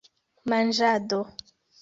manĝado